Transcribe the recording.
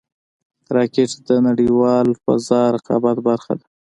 راکټ د نړیوال فضا رقابت برخه ده